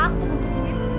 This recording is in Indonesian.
aku butuh duit